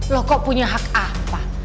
loh kok punya hak apa